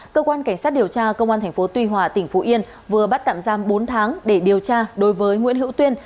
cơ quan cảnh sát điều tra công an tp tuy hòa tỉnh phú yên vừa bắt tạm giam bốn tháng để điều tra đối với nguyễn hữu tuyên